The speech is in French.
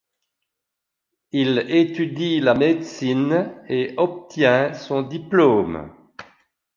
Il étudie la médecine et obtient son diplôme.